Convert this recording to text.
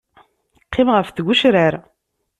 Qqimeɣ ɣef tgecrar.